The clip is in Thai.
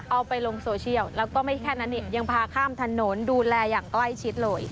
เอาไปลงโซเชียลแล้วก็ไม่แค่นั้นเนี่ยยังพาข้ามถนนดูแลอย่างใกล้ชิดเลย